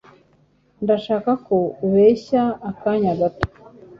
Ndashaka ko ubeshya akanya gato.